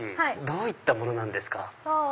どういったものなんですか？